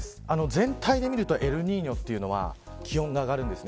全体で見るとエルニーニョというのは気温が上がるんです。